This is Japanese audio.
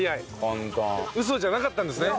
ウソじゃなかったんですね。